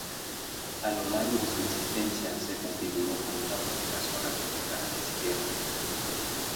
A lo largo de su existencia se configuró como una publicación republicana de izquierdas.